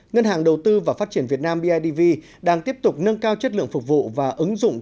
ngân hàng đầu tư và phát triển việt nam bidv đang tiếp tục nâng cao chất lượng phục vụ và ứng dụng